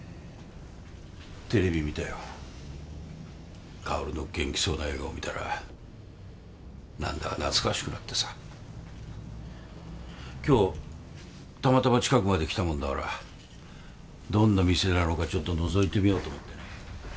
テレビ見たよ香の元気そうな笑顔見たら何だか懐かしくなってさ今日たまたま近くまで来たもんだからどんな店なのかちょっとのぞいてみようと思ってね